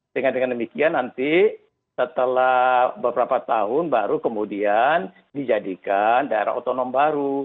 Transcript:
dengan demikian nanti setelah beberapa tahun baru kemudian dijadikan daerah otonom baru